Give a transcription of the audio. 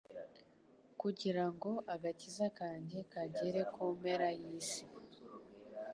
kugira ngo agakiza kanjye kagere ku mpera y'isi.